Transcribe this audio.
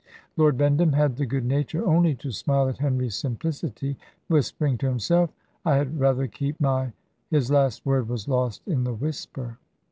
Lord Bendham had the good nature only to smile at Henry's simplicity, whispering to himself, "I had rather keep my " his last word was lost in the whisper.